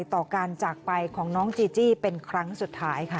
ต่อการจากไปของน้องจีจี้เป็นครั้งสุดท้ายค่ะ